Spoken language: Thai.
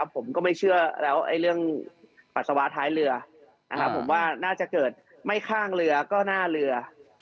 ผมก็ไม่เชื่อแล้วเรื่องปัสสาวะท้ายเรือผมว่าน่าจะเกิดไม่ข้างเรือก็หน้าเรือ